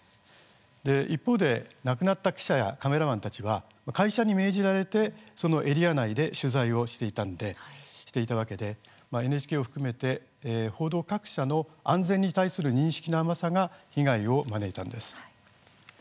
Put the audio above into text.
一方で亡くなった記者やカメラマンたちは会社に命じられてそのエリア内で取材をしていたわけでＮＨＫを含めて報道各社の安全に対する認識の甘さが被害を招いたんです。